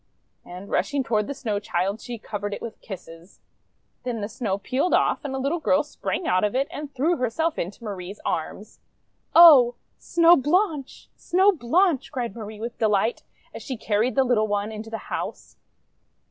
And rushing toward the Snow Child she covered it with kisses. Then the Snow peeled off, and a little girl sprang out of it and threw herself into Marie's arms. "Oh! Snow Blanche! Snow Blanche!' cried Marie with delight as she carried the little one into the house.